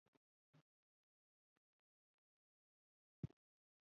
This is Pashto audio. ښوونکي وویل ولې دې درس نه دی زده کړی؟